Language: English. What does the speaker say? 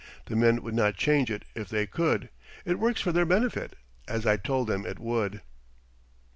The men would not change it if they could; it works for their benefit, as I told them it would.